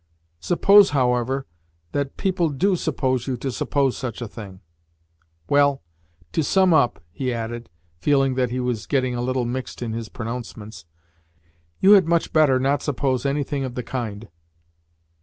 Suppose, however, that people DO suppose you to suppose such a thing Well, to sum up," he added, feeling that he was getting a little mixed in his pronouncements, "you had much better not suppose anything of the kind."